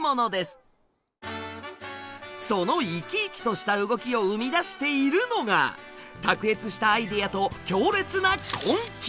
その生き生きとした動きを生み出しているのが卓越したアイデアと強烈な根気！